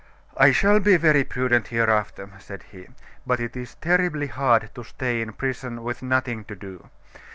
"I shall be very prudent hereafter," said he, "but it is terribly hard to stay in prison with nothing to do.